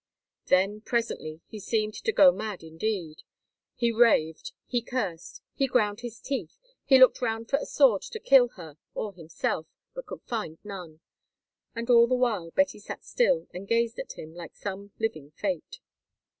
Then presently he seemed to go mad indeed. He raved, he cursed, he ground his teeth, he looked round for a sword to kill her or himself, but could find none. And all the while Betty sat still and gazed at him like some living fate.